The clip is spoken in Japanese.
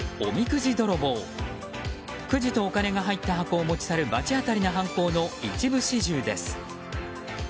くじとお金が入った箱を持ち去る罰当たりな犯行の一部始終です。